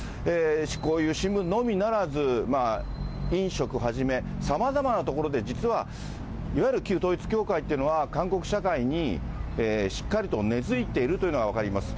こういう新聞のみならず、飲食はじめ、さまざまな所で実は、いわゆる旧統一教会というのは、韓国社会にしっかりと根づいているというのが分かります。